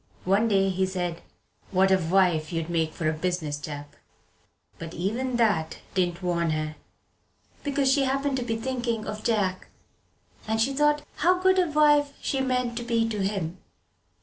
One day he said "What a wife you'd make for a business chap!" But even that didn't warn her, because she happened to be thinking of Jack and she thought how good a wife she meant to be to him.